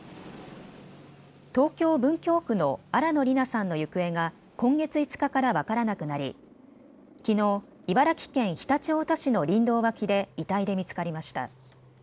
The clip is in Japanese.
東京文京区の新野りなさんの行方が今月５日から分からなくなりきのう茨城県常陸太田市の林道脇で遺体で見つかりました。